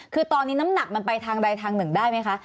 คือตอนนี้น้ำหนักมันไปทางใดทางหนึ่งได้ไหมคะ